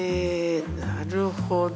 なるほど。